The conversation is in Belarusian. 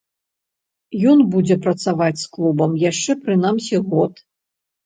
Ён будзе працаваць з клубам яшчэ прынамсі год.